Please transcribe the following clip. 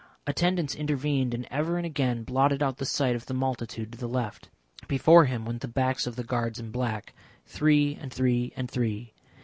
Attendants intervened, and ever and again blotted out the sight of the multitude to the left. Before him went the backs of the guards in black three and three and three.